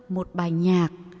một bài nhạc